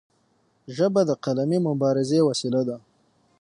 ژبه د قلمي مبارزې وسیله ده.